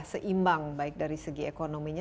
seimbang baik dari segi ekonominya